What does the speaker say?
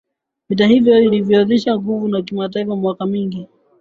vita hiyo ilidhoofisha nguvu za taifa kwa miaka mingi